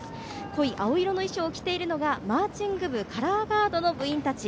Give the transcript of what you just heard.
濃い青色の衣装を着ているのがマーチング部の部員たち。